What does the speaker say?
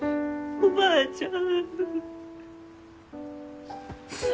おばあちゃん。